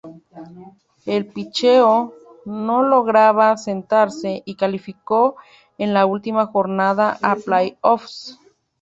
El pitcheo no lograba asentarse y calificó en la última jornada a play-offs.